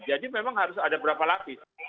jadi memang harus ada berapa lapis